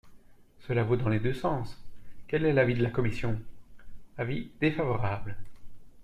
Cela vaut dans les deux sens ! Quel est l’avis de la commission ? Avis défavorable.